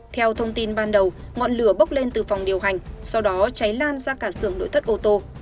theo thông tin ban đầu ngọn lửa bốc lên từ phòng điều hành sau đó cháy lan ra cả sưởng nội thất ô tô